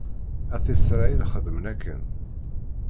At Isṛayil xedmen akken.